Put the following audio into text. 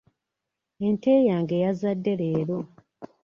Ente yange yazadde leero.